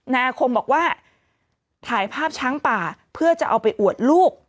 อาคมบอกว่าถ่ายภาพช้างป่าเพื่อจะเอาไปอวดลูก